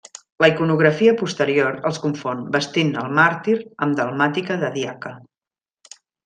La iconografia posterior els confon, vestint el màrtir amb dalmàtica de diaca.